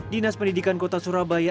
dinas pendidikan kota surabaya